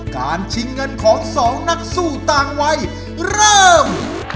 ชิงเงินของสองนักสู้ต่างวัยเริ่ม